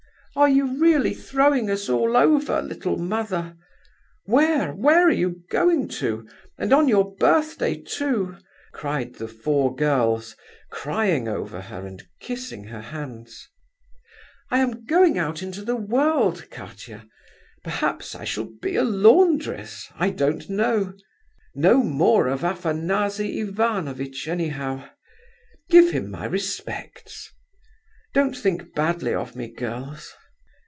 "Are you really throwing us all over, little mother? Where, where are you going to? And on your birthday, too!" cried the four girls, crying over her and kissing her hands. "I am going out into the world, Katia; perhaps I shall be a laundress. I don't know. No more of Afanasy Ivanovitch, anyhow. Give him my respects. Don't think badly of me, girls."